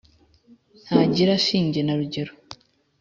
ntagira shinge na rugero